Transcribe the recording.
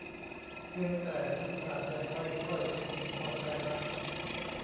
เพียงแต่คุณอาจยังไม่ค่อยพึงพอใจนัก